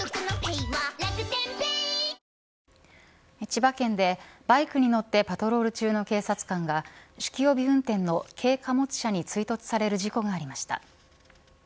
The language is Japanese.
千葉県でバイクに乗ってパトロール中の警察官が酒気帯び運転の軽貨物車に追突される事故がありました。